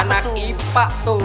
anak ipa tuh